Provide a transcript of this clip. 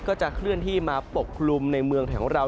ก็จะเคลื่อนที่มาปกคลุมในเมืองของเรา